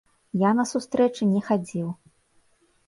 Я на сустрэчы не хадзіў.